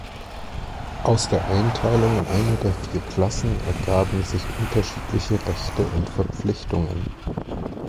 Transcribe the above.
Aus der Einteilung in eine der vier Klassen ergaben sich unterschiedliche Rechte und Verpflichtungen.